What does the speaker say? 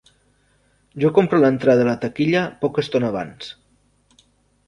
Jo compro l'entrada a la taquilla poca estona abans.